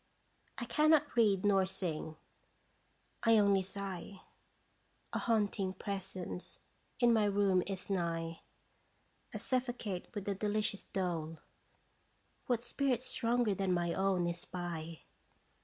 1 cannot read nor sing I only sigh. A haunting presence in my room is nigh ; I suffocate with a delicious dole. What spirit stronger than my own is by?